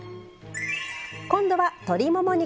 今度は鶏もも肉。